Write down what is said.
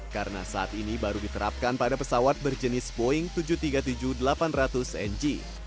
karena saat ini baru diterapkan pada pesawat berjenis boeing tujuh ratus tiga puluh tujuh delapan ratus ng